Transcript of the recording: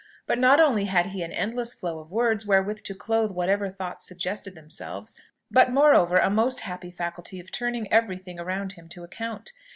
But not only had he an endless flow of words wherewith to clothe whatever thoughts suggested themselves, but moreover a most happy faculty of turning every thing around him to account.